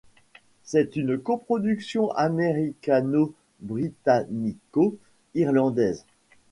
C'est une coproduction américano-britannico-irlandaise.